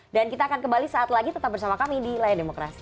dan kita akan kembali saat lagi tetap bersama kami di layar demokrasi